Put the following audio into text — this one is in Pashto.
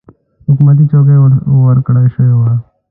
حکومتي چوکۍ ورکړه شوې وه.